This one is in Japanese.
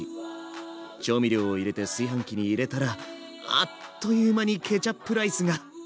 調味料を入れて炊飯器に入れたらあっという間にケチャップライスが。